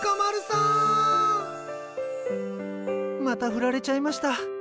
またフラれちゃいました。